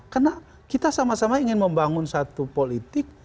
karena kita sama sama ingin membangun satu politik